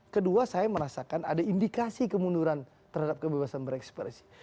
kedua saya merasakan ada indikasi kemunduran terhadap kebebasan berekspresi